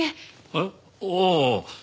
えっ？ああ。